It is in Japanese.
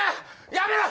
やめろ！